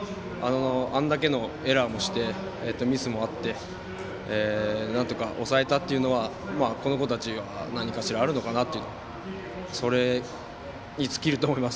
あれだけのエラーもしてミスもあってなんとか抑えたというのはこの子たちが何かしらあるのかなとそれにつきると思います